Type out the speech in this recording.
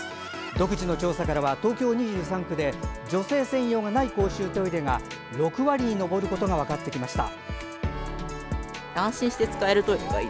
独自の調査からは東京２３区で女性専用がない公衆トイレが６割に上ることが分かってきました。